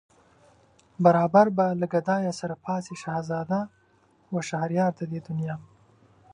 برابر به له گدايه سره پاڅي شهزاده و شهريار د دې دنیا